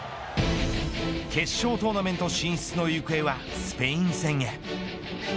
決勝トーナメント進出の行方はスペイン戦へ。